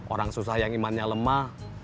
orang susah yang imannya lemah